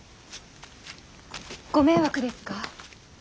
ご迷惑ですか。